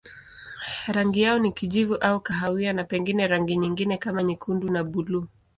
Rangi yao ni kijivu au kahawia na pengine rangi nyingine kama nyekundu na buluu.